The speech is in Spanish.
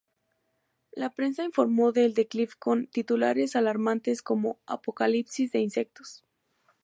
La prensa informó del declive con titulares alarmantes, como "Apocalipsis de insectos".